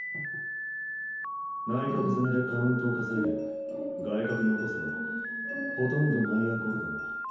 内角攻めでカウントを稼いで外角に落とせばほとんど内野ゴロだな。